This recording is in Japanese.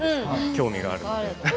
興味があるので。